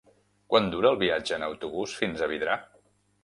Quant dura el viatge en autobús fins a Vidrà?